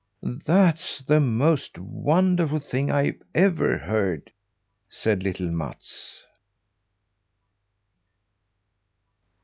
That's the most wonderful thing I've ever heard!" said little Mats.